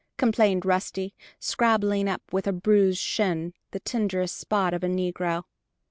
complained Rusty, scrambling up with a bruised shin, the tenderest spot of a negro.